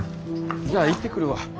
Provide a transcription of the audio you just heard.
じゃあ行ってくるわ。